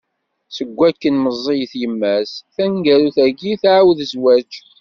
Seg wakken meẓẓiyet yemma-s, taneggarut-agi tɛawed zzwaǧ.